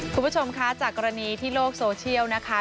คุณผู้ชมคะจากกรณีที่โลกโซเชียลนะคะ